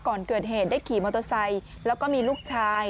ก่อนเกิดเหตุได้ขี่มอเตอร์ไซค์แล้วก็มีลูกชาย